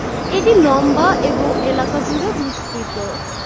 এটি লম্বা এবং এলাকা জুড়ে বিস্তৃত।